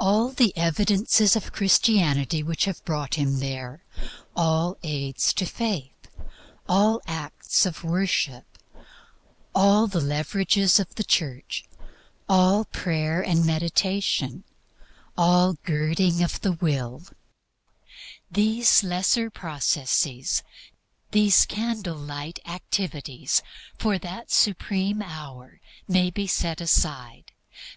All the evidences of Christianity which have brought him there, all aids to Faith, all acts of worship, all the leverages of the Church, all Prayer and Meditation, all girding of the Will these lesser processes, these candle light activities for that supreme hour, may be set aside.